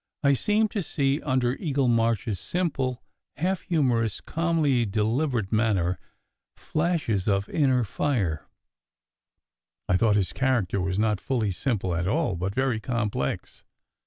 I seemed to see under Eagle March s simple, half humorous, calmly 56 SECRET HISTORY deliberate manner, flashes of inner fire. I thought his character was not really simple at all, but very complex.